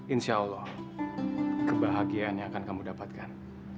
insya allah kebahagiaan yang akan kamu dapatkan